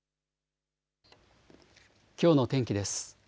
きょうの天気です。